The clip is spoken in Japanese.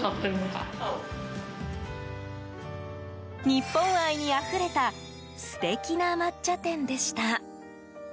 日本愛にあふれた素敵な抹茶店でした。